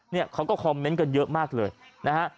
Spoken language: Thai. เนี่ยเขาก็คอมเมนต์กันเยอะมากเลยนะฮะ